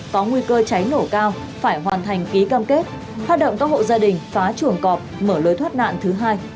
có nguy cơ cháy nổ cao phải hoàn thành ký cam kết phát động các hộ gia đình phá chuồng cọp mở lối thoát nạn thứ hai